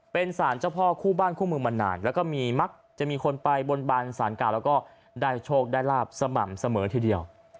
เป็นสารเจ้าพ่อคู่บ้านคู่เมืองมานานแล้วก็มีมักจะมีคนไปบนบานสารกาแล้วก็ได้โชคได้ลาบสม่ำเสมอทีเดียว